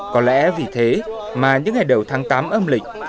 có lẽ vì thế mà những ngày đầu tháng tám âm lịch